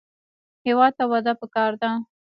هېواد ته وده پکار ده